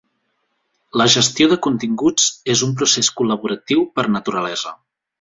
La gestió de continguts és un procés col·laboratiu per naturalesa.